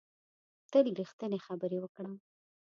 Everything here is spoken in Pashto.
تل ریښتینې خبرې وکړه